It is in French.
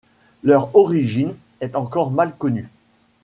Leur origine est encore mal connue.